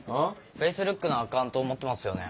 Ｆａｃｅｌｏｏｋのアカウント持ってますよね？